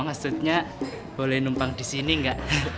maksudnya boleh numpang di sini enggak